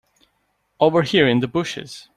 Over here in the bushes.